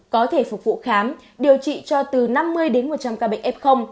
có thể phục vụ khám điều trị cho từ năm mươi đến một trăm linh ca bệnh f